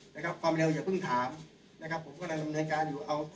นะครับความเร็วอย่าเพิ่งถามนะครับผมกำลังดำเนินการอยู่เอา